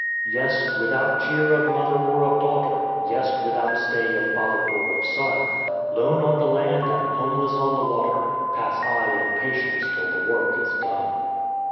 " Yes, without cheer of mother or of daughter, Yes, without stay of father or of son, Lone on the land and homeless on the water, Pass I in patience till the work is done.